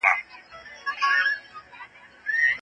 ایا واړه پلورونکي چارمغز اخلي؟